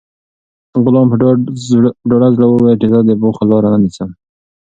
غلام په ډاډه زړه وویل چې زه د بخل لاره نه نیسم.